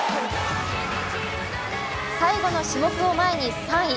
最後の種目を前に３位。